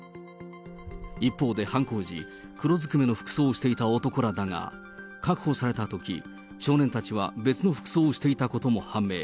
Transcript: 一方で犯行時、黒ずくめの服装をしていた男らだが、確保されたとき、少年たちは別の服装をしていたことも判明。